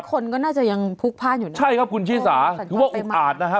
คนก็น่าจะยังพลุกพลาดอยู่นะใช่ครับคุณชิสาถือว่าอุกอาจนะฮะ